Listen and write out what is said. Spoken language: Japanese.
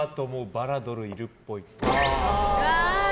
バラドルいるっぽい。